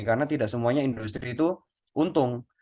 karena tidak semuanya industri itu untung